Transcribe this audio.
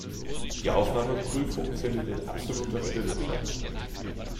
Die Aufnahmeprüfung findet in absoluter Stille statt.